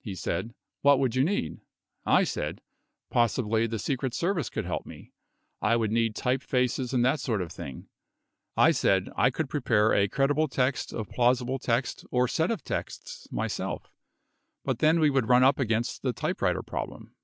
He said : "What would you need?" I said, "Possi bly the Secret Service could help me. I would need type faces and that sort of thing." I said, "I could prepare a cred ible text of plausible text or set of texts myself, but then we would run up against the typewriter problem."